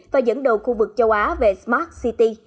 và dẫn đầu khu vực châu á về smart city